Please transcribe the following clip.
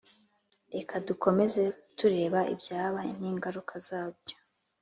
reka dukomeze tureba ibyaha ningaruka zabyo